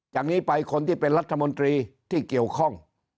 จากนี้ไปคนที่เป็นรัฐมนตรีที่เกี่ยวข้อง